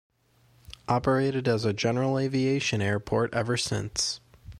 Operated as a general aviation airport ever since.